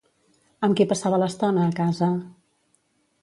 Amb qui passava l'estona a casa?